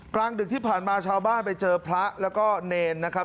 กลางดึกที่ผ่านมาชาวบ้านไปเจอพระแล้วก็เนรนะครับ